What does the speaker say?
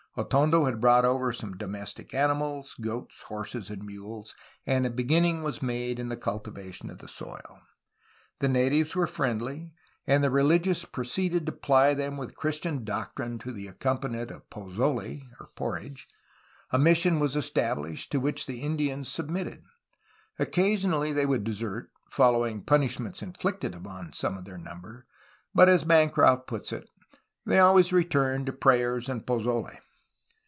Atondo had brought over some domestic animals (goats, horses, and mules), and a beginning was made in the cultivation of the soil. The natives were friendly, and the religious proceeded to ply them with Christian doctrine to the accompaniment of pozole (por ridge). A mission was established, to which the Indians submitted. Occasionally they would desert, following punishments inflicted upon some of their number, but, as Bancroft puts it, they always returned to "prayers and pozole.'